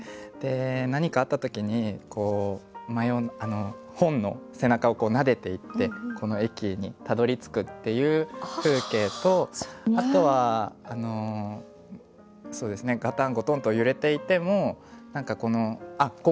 で何かあった時にこう本の背中をなでていってこの「駅へ」にたどりつくっていう風景とあとはそうですねがたんごとんと揺れていてもあっ